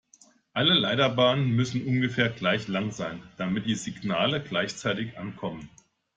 Alle Leiterbahnen müssen ungefähr gleich lang sein, damit die Signale gleichzeitig ankommen.